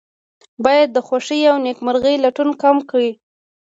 باید د خوښۍ او نیکمرغۍ لټون کم کړي.